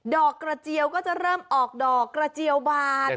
อกกระเจียวก็จะเริ่มออกดอกกระเจียวบาน